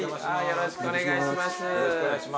よろしくお願いします。